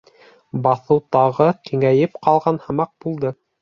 Баҫыу тағы киңәйеп ҡалған һымаҡ булды.